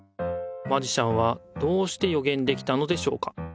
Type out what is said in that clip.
マジシャンはどうしてよげんできたのでしょうか。